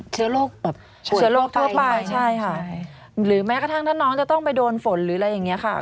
เชื้อโรคแบบเชื้อโรคทั่วไปใช่ค่ะหรือแม้กระทั่งถ้าน้องจะต้องไปโดนฝนหรืออะไรอย่างนี้ค่ะ